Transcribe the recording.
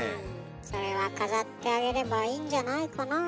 それは飾ってあげればいいんじゃないかなあ。